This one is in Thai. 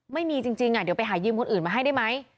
ไม่มีจริงเดี๋ยวไปหายืมคนอื่นมาให้ได้ไหม